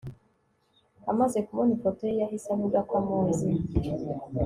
amaze kubona ifoto ye yahise avugako amuzi